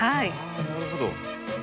なるほど。